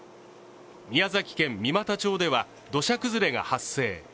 宮崎県三股町では土砂崩れが発生。